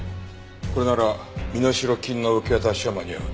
これなら身代金の受け渡しは間に合う。